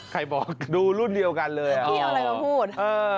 พี่เอาอะไรมาพูด